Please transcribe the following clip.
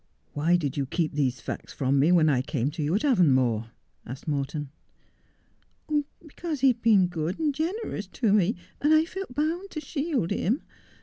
4 Why did you keep these facts from me when I came to you at Avonmore 1 ' asked Morton. ' Because he had been good and generous to me, and I felt bound to shield him.